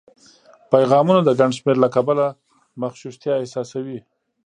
پیغامونو د ګڼ شمېر له کبله مغشوشتیا احساسوي